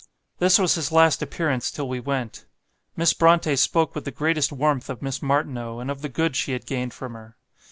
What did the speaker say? This was his last appearance till we went. Miss Brontë spoke with the greatest warmth of Miss Martineau, and of the good she had gained from her.